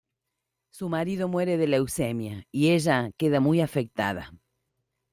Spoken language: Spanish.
Su marido muere de leucemia y ella queda muy afectada.